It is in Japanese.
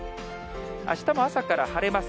あしたも朝から晴れます。